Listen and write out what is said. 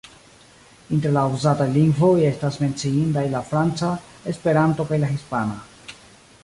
Inter la uzataj lingvoj estas menciindaj la franca, Esperanto kaj la hispana.